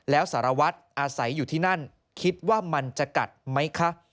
แล้วสารวัตรอาศัยอยู่ที่นั่นคิดว่ามันจะกัดไหมคะ